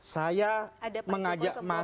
saya mengajak masyarakat